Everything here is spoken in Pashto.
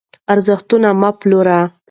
ارزښتونه مه پلورئ.